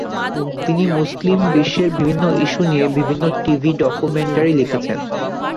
তিনি মুসলিম বিশ্বের বিভিন্ন ইস্যু নিয়ে বিভিন্ন টিভি ডকুমেন্টারি লিখেছেন।